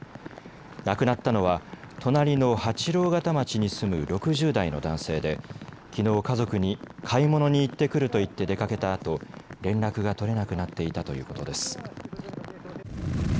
亡くなったのは隣の八郎潟町に住む６０代の男性できのう家族に買い物に行ってくると言って出かけたあと連絡が取れなくなっていたということです。